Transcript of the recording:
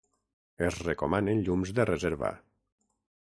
Es recomanen llums de reserva.